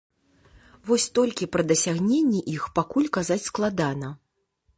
Вось толькі пра дасягненні іх пакуль казаць складана.